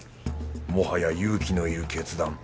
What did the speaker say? もはや勇気のいる決断。